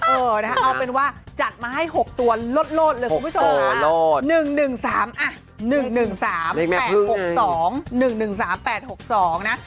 เอาเป็นว่าจัดมาให้๖ตัวโลดเลยคุณผู้ชมค่ะ